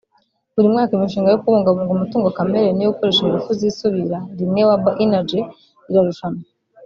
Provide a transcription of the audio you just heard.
Buri mwaka imishinga yo kubungabunga umutungo kamere n’iyo gukoresha ingufu zisubira (renewable energy) irarushanwa